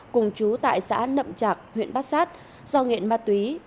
cùng chú tại xã nậm trạc huyện bát sát do nghiện ma túy